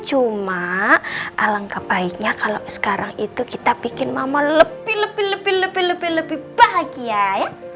cuma alangkah baiknya kalau sekarang itu kita bikin mama lebih lebih lebih bahagia ya